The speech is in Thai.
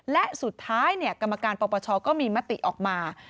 และสุดท้ายกรรมการปปชก็มีมติออกมา